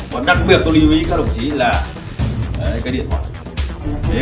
và đặc biệt tôi lưu ý các đồng chí là cái điện thoại